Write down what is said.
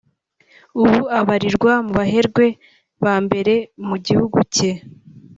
ubu abarirwa mu baherwe ba mbere mu gihugu cye